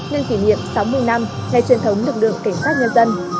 nhân kỷ niệm sáu mươi năm ngày truyền thống lực lượng cảnh sát nhân dân